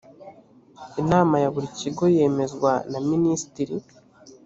inama ya buri kigo yemezwa na minisitiri